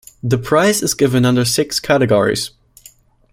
The prize is given under six categories.